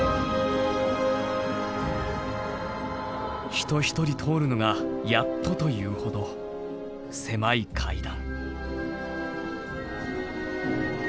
人一人通るのがやっとというほど狭い階段。